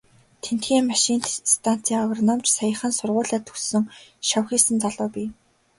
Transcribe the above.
Тэндхийн машинт станцын агрономич, саяхан сургууль төгссөн шавхийсэн залуу бий.